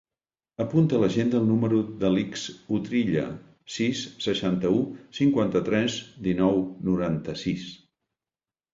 Apunta a l'agenda el número de l'Alix Utrilla: sis, seixanta-u, cinquanta-tres, dinou, noranta-sis.